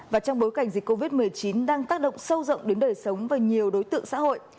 và trong bối cảnh dịch covid một mươi chín đang tác động sâu rộng đến đời sống và nhiều đối tượng xã hội